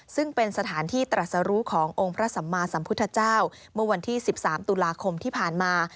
ซึ่งเป็นสถานที่ตรัสรู้ขององค์พระสัมมาสัมพุทธเจ้าเมื่อวันที่๑๓ตุลาคมที่ผ่านมา